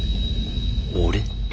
俺？